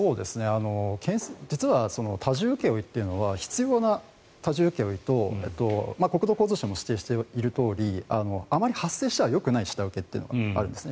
実は、多重請負というのは必要な多重請負と国土交通省の指定しているとおりあまり発生してはよくない下請けっていうのがあるんですね。